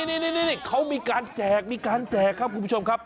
นี่เขามีการแจกมีการแจกครับคุณผู้ชมครับ